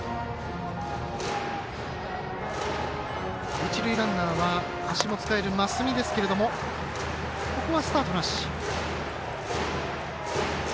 一塁ランナーは足の使える増見ですがここはスタートなし。